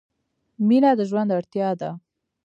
• مینه د ژوند اړتیا ده.